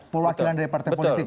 perwakilan dari partai politiknya